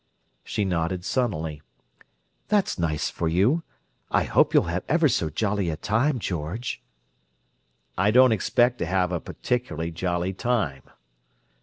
She nodded sunnily. "That's nice for you. I hope you'll have ever so jolly a time, George." "I don't expect to have a particularly jolly time."